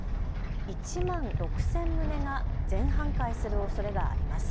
１万６０００棟が全半壊するおそれがあります。